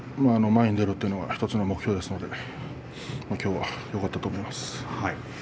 前に出るというのは１つの目標ですので今日はよかったと思います。